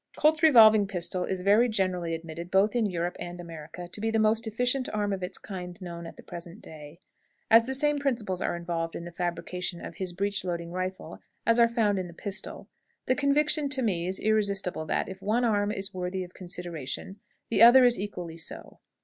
Colt's revolving pistol is very generally admitted, both in Europe and America, to be the most efficient arm of its kind known at the present day. As the same principles are involved in the fabrication of his breech loading rifle as are found in the pistol, the conviction to me is irresistible that, if one arm is worthy of consideration, the other is equally so.